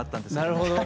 なるほど。